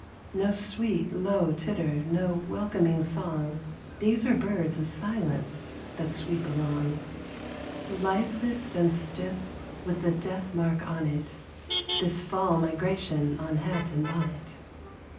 No sweet, low titter, no welcoming song; These are birds of silence that sweep along. Lifeless and stiff, with the death mark on it, This "Fall Migration" on hat and bonnet.